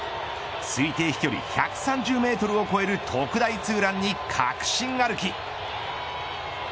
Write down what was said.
推定飛距離１３０メートルを超える特大ツーランに確信歩き。